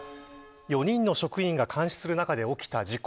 ４人の職員が監視する中で起きた事故。